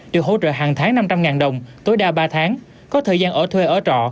được hỗ trợ hàng tháng năm trăm linh đồng tối đa ba tháng có thời gian ở thuê ở trọ